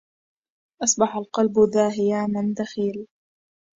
أصبح القلب ذا هيام دخيل